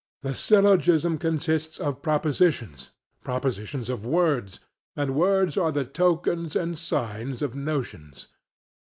The syllogism consists of propositions; propositions of words; and words are the tokens and signs of notions.